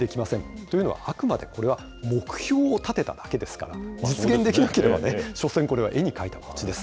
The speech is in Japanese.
というのは、あくまでこれは目標を立てただけですから、実現できなければね、しょせん、これは絵に描いた餅です。